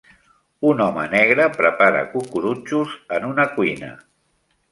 Un home negre prepara cucurutxos en una cuina